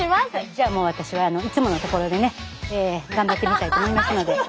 じゃあもう私はいつものところでね頑張ってみたいと思いますので。